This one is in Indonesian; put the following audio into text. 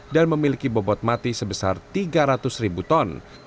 dan memiliki bobot mati sebesar tiga ratus ribu ton